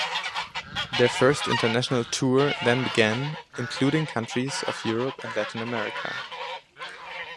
Their first international tour then began, including countries of Europe and Latin America.